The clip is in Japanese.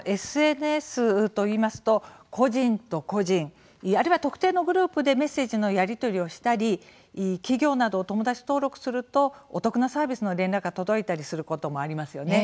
ＳＮＳといいますと個人と個人あるいは特定のグループでメッセージのやり取りをしたり企業などを友達登録するとお得なサービスの連絡が届いたりすることもありますよね。